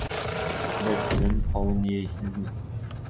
— Bir tilim qovun yeysizmi?